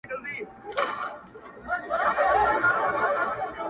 يو خوا يې توره سي تياره ښكاريږي!!